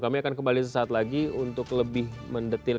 kami akan kembali sesaat lagi untuk lebih mendetil